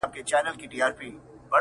هغه ساعت- هغه غرمه- هغه د سونډو زبېښل-